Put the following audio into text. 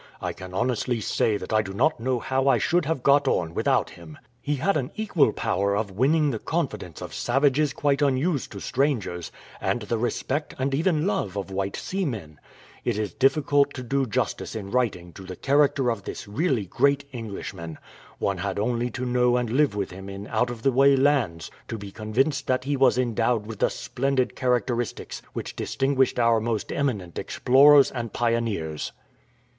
I can honestly say that I do not know how I should have got on without him. He had an equal power of winning the confidence of savages quite unused to strangers, and the respect, and even love, of white seamen. ... It is difficult to do justice in writing to the character of this really great Englishman. One had only to know and live with him in out of the way lands to be convinced that he was endowed with the splendid characteristics which distinguished our most eminent explorers and pioneers."